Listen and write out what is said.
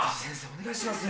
・・お願いします！